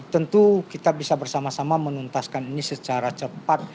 tentu kita bisa bersama sama menuntaskan ini secara cepat